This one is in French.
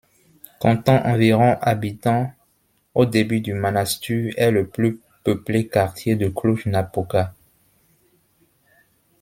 Comptant environ habitants, au début du Mănăștur est le plus peuplé quartier de Cluj-Napoca.